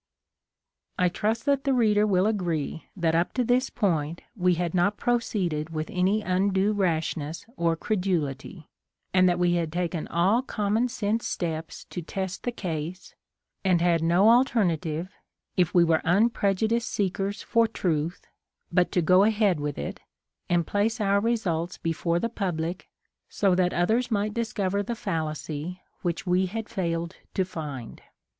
I trust that the reader will agree that up to this point we had not proceeded with any undue rashness or credulity, and that we had taken all common sense steps to test the case, and had no alternative, if we were un prejudiced seekers for truth, but to go ahead with it, and place our results before the pub lic, so that others might discover the fallacy which we had failed to find.